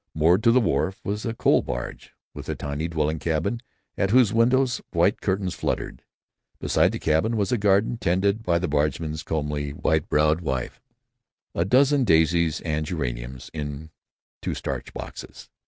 Moored to the wharf was a coal barge, with a tiny dwelling cabin at whose windows white curtains fluttered. Beside the cabin was a garden tended by the bargeman's comely white browed wife; a dozen daisies and geraniums in two starch boxes.